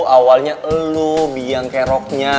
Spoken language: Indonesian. awalnya elu biang kayak roknya